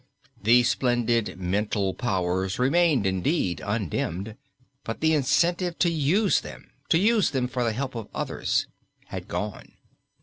The splendid mental powers remained indeed undimmed, but the incentive to use them to use them for the help of others had gone.